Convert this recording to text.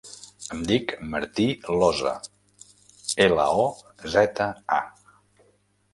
Em dic Martí Loza: ela, o, zeta, a.